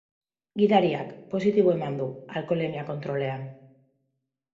Gidariak positibo eman du alkoholemia-kontrolean.